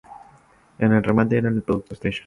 En el remate era el producto estrella.